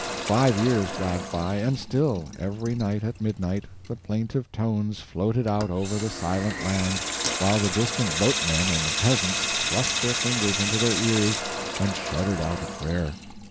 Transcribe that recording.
Five years dragged by, and still, every night at midnight, the plaintive tones floated out over the silent land, while the distant boatmen and peasants thrust their fingers into their ears and shuddered out a prayer.